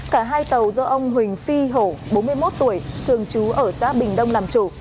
cả hai tàu do ông huỳnh phi hổ bốn mươi một tuổi thường trú ở xã bình đông làm chủ